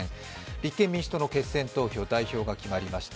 立憲民主党の決選投票、代表が決まりました。